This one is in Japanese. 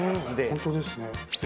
本当ですね。